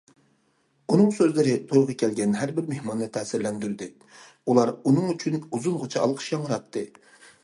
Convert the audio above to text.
ئۇنىڭ سۆزلىرى تويغا كەلگەن ھەر بىر مېھماننى تەسىرلەندۈردى، ئۇلار ئۇنىڭ ئۈچۈن ئۇزۇنغىچە ئالقىش ياڭراتتى.